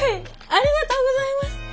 ありがとうございます！